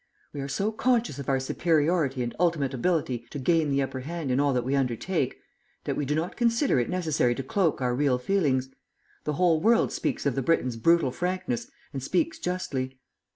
We are so conscious of our superiority and ultimate ability to gain the upper hand in all that we undertake, that we do not consider it necessary to cloak our real feelings. The whole world speaks of the Briton's brutal frankness, and speaks justly.